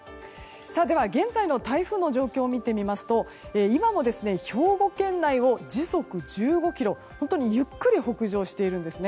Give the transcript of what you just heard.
では、現在の台風の状況を見てみますと兵庫県内を時速１５キロゆっくり北上しています。